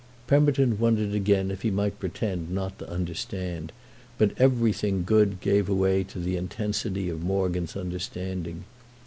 Pemberton wondered again if he might pretend not to understand; but everything good gave way to the intensity of Morgan's understanding.